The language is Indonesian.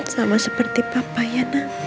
sama seperti papa ya